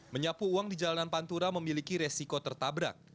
menyapu uang di jalanan pantura memiliki resiko tertabrak